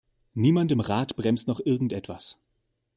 Niemand im Rat bremst noch irgend etwas.